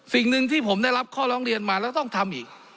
สิ่งหนึ่งที่ผมได้รับข้อร้องเรียนมาแล้วต้องทำอีก